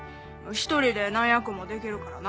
１人で何役もできるからな。